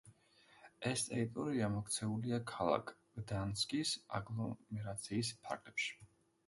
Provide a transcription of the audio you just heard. ეს ტერიტორია მოქცეულია ქალაქ გდანსკის აგლომერაციის ფარგლებში.